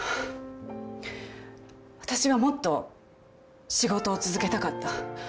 私はもっと仕事を続けたかった。